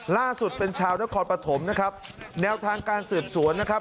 ล่าสุดเป็นชาวนครปฐมนะครับแนวทางการสืบสวนนะครับ